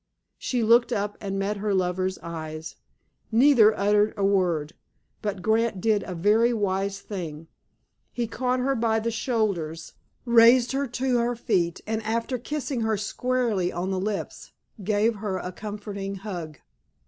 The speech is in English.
She looked up and met her lover's eyes. Neither uttered a word, but Grant did a very wise thing. He caught her by the shoulders, raised her to her feet, and, after kissing her squarely on the lips, gave her a comforting hug.